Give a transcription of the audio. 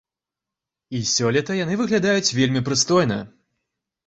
І сёлета яны выглядаюць вельмі прыстойна.